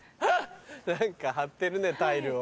何か貼ってるねタイルを。